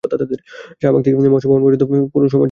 শাহবাগ থেকে মৎস্য ভবন পর্যন্ত সড়কটি পুরো সময় ধরেই বন্ধ থাকবে।